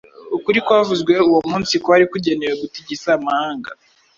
Ukuri kwavuzwe uwo munsi kwari kugenewe gutigisa amahanga